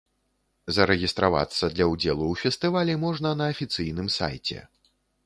Зарэгістравацца для ўдзелу ў фестывалі можна на афіцыйным сайце.